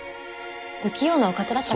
不器用なお方だったから。